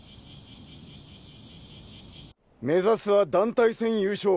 目指すは団体戦優勝。